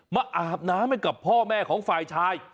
อาบน้ำให้กับพ่อแม่ของฝ่ายชาย